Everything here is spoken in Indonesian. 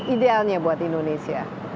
idealnya buat indonesia